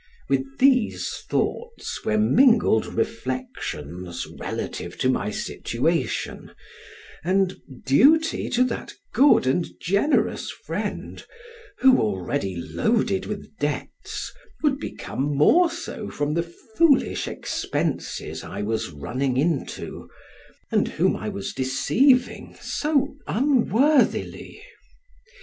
With these thoughts were mingled reflections relative to my situation and duty to that good and generous friend, who already loaded with debts, would become more so from the foolish expenses I was running into, and whom I was deceiving so unworthily.